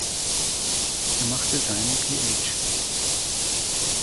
Er machte seinen Ph.